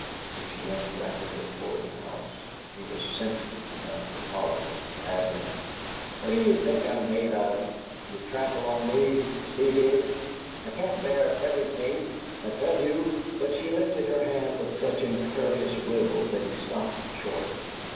She went rapidly toward the house, and he was senseless enough to follow, babbling: "What do you think I'm made of? You trample on me as he did! I can't bear everything; I tell you " But she lifted her hand with such imperious will that he stopped short.